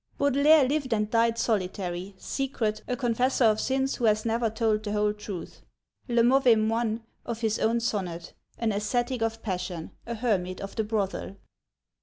Baudelaire lived and died solitary, secret, a confessor of sins who has never told the whole truth, le mauvais moine of his own sonnet, an ascetic of passion, a hermit of the brothel.